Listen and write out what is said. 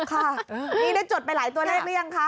ค่ะนี่ได้จดไปหลายตัวเลขหรือยังคะ